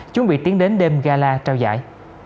thì nó rải rất là dày